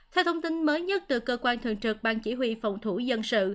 theo thông tin mới nhất từ cơ quan thường trực ban chỉ huy phòng thủ dân sự